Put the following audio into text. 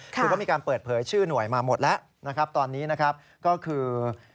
คือก็มีการเปิดเผยชื่อหน่วยมาหมดแล้วตอนนี้ก็คือ